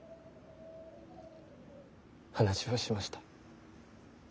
話をしました。